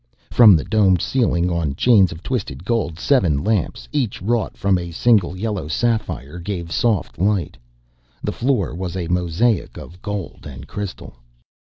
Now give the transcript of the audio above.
From the domed ceiling, on chains of twisted gold, seven lamps, each wrought from a single yellow sapphire, gave soft light. The floor was a mosaic of gold and crystal.